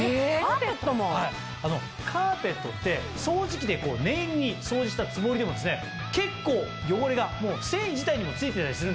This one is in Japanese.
カーペットって掃除機で念入りに掃除したつもりでも結構汚れが繊維自体にも付いてたりするんですよね。